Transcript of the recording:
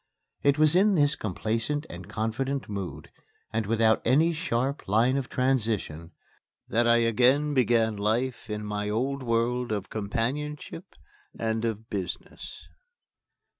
It was in this complacent and confident mood, and without any sharp line of transition, that I again began life in my old world of companionship and of business.